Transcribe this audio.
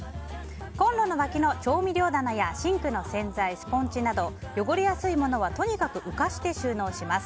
コンロの脇の調味料棚やシンクの洗剤、スポンジなど汚れやすいものはとにかく浮かして収納します。